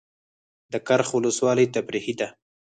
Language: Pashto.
د کرخ ولسوالۍ تفریحي ده